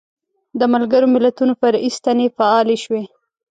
د ملګرو ملتونو فرعي ستنې فعالې شوې.